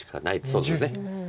そうですね。